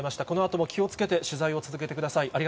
このあとも気をつけて取材を続けてください。